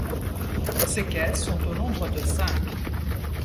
Ces caisses sont au nombre de cinq.